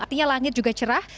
artinya langit juga cerah